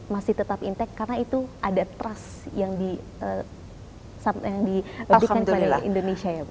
masih tetap intek karena itu ada trust yang diberikan oleh indonesia ya bu